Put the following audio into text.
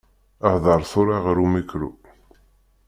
Hder tura ɣer umikru.